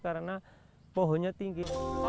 karena pohonnya tinggi